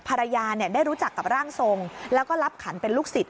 ภรรยาได้รู้จักกับร่างทรงแล้วก็รับขันเป็นลูกศิษย